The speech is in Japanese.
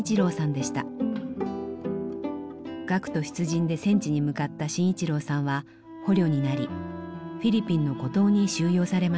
学徒出陣で戦地に向かった信一郎さんは捕虜になりフィリピンの孤島に収容されました。